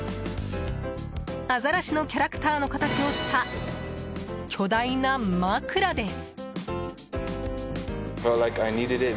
アザラシのキャラクターの形をした巨大な枕です。